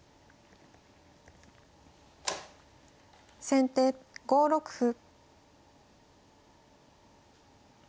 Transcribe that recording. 先手５六歩。